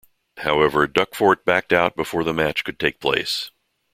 However, Dufort backed out before the match could take place.